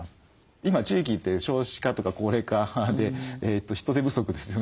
今地域って少子化とか高齢化で人手不足ですよね